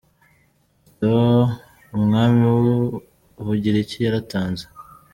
Otto, umwami w’u Bugiriki yaratanze.